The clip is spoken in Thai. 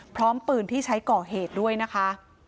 พร้อมปืนที่ใช้ก่อเหตุด้วยนะคะ